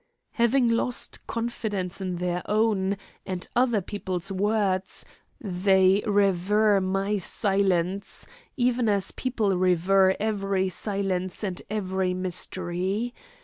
Having lost confidence in their own and other people's words, they revere my silence, even as people revere every silence and every mystery.